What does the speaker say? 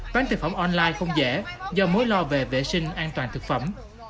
bán thực phẩm online không dễ do mối lo về vệ sinh an toàn thực phẩm